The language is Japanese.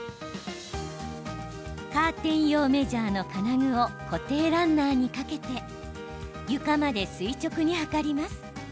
カーテン用メジャーの金具を固定ランナーに掛けて床まで垂直に測ります。